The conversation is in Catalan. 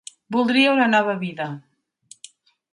Voldria una nova vida.